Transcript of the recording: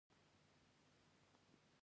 افغانستان يو له کرنيزو هيوادونو څخه دى.